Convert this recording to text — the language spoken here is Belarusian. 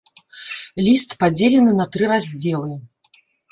Ліст падзелены на тры раздзелы.